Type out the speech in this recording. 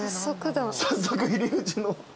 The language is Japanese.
早速入り口の。